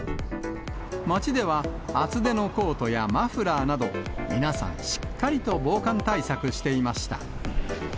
街では、厚手のコートやマフラーなど、皆さん、しっかりと防寒対策していました。